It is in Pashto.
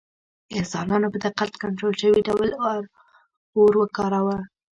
انسانانو په دقت کنټرول شوي ډول اور وکاراوه.